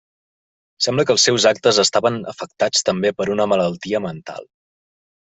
Sembla que els seus actes estaven afectats també per una malaltia mental.